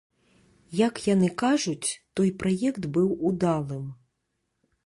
Як яны кажуць, той праект быў удалым.